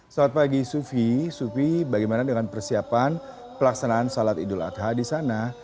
selamat pagi sufi sufi bagaimana dengan persiapan pelaksanaan salat idul adha di sana